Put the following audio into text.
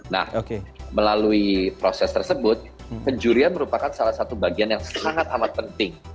nah melalui proses tersebut penjurian merupakan salah satu bagian yang sangat amat penting